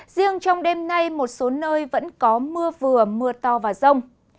riêng trong đêm nay một số nơi vẫn có mưa vừa mưa to và rông